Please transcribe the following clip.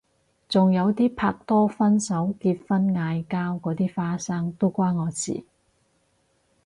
仲有啲拍拖分手結婚嗌交嗰啲花生都關我事